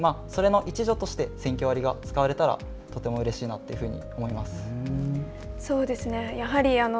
それの一助としてセンキョ割が使われたらとてもうれしいなと思います。